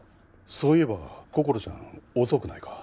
そういえばこころちゃん遅くないか？